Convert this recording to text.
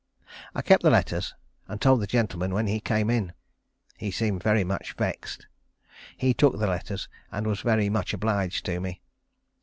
I kept the letters, and told the gentleman when he came in. He seemed very much vexed. He took the letters, and was very much obliged to me.